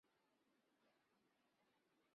二十六年以左庶子提督贵州学政。